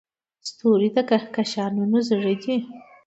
ستوري د کهکشانونو زړه دي.